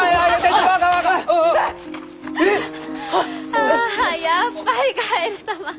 ああやっぱりカエル様！